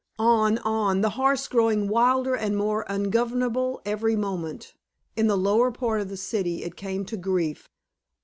On, on, the horse growing wilder and more ungovernable every moment. In the lower part of the city it came to grief.